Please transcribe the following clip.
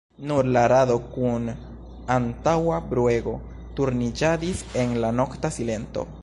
Nur la rado kun antaŭa bruego turniĝadis en la nokta silento.